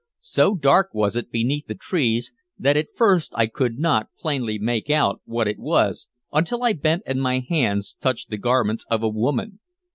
So dark was it beneath the trees that at first I could not plainly make out what it was until I bent and my hands touched the garments of a woman.